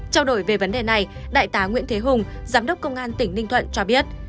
trao đổi về vấn đề này đại tá nguyễn thế hùng giám đốc công an tỉnh ninh thuận cho biết